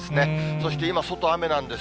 そして今、外、雨なんです。